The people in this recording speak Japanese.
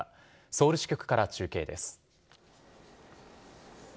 ソウル支局から中継です。